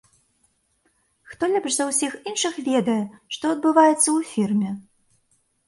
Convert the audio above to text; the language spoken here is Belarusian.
Хто лепш за ўсіх іншых ведае, што адбываецца ў фірме?